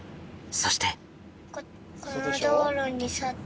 そして。